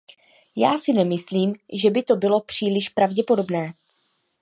Já si nemyslím, že by to bylo příliš pravděpodobné.